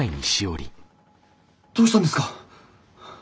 どうしたんですか？